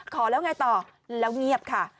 ขอแล้วไงต่อแล้วเงียบค่ะ